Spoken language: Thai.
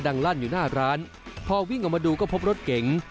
ลั่นอยู่หน้าร้านพอวิ่งออกมาดูก็พบรถเก๋ง